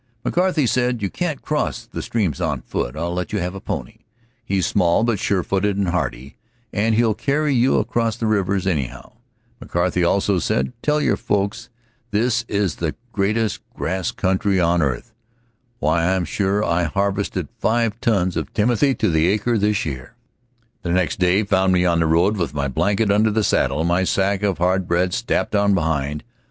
McCarty said: "You can't cross the streams on foot; I'll let you have a pony. He's small, but sure footed and hardy, and he'll carry you across the rivers anyhow." McCarty also said: "Tell your folks this is the greatest grass country on earth. Why, I am sure I harvested five tons of timothy to the acre this year." [Illustration: Twice a week the Indian woman visited the cabin.] The next day found me on the road with my blanket under the saddle, my sack of hard bread strapped on behind.